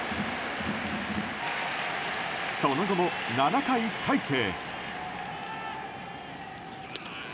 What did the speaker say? その後も７回、大勢。